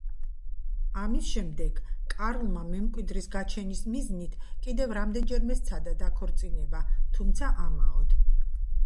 ამის შემდეგ, კარლმა მემკვიდრის გაჩენის მიზნით კიდევ რამდენჯერმე სცადა დაქორწინება, თუმცა ამაოდ.